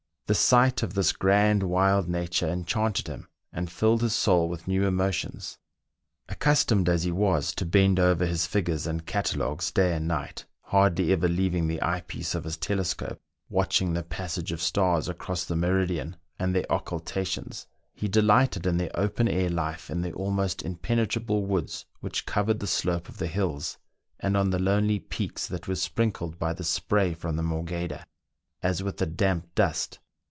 The sight of this grand, wild nature enchanted him, and filled his soul with new emotions. Accustomed as he was to bend over his figures and cata logues day and night, hardly ever leaving the eye piece of his telescope, watching the passage of stars across the meridian and their occupations, he delighted in the open air life in the almost impenetrable woods which covered the slope of the hills, and on the lonely peaks that were sprin kled by the spray from the Morgheda as with a damp dust.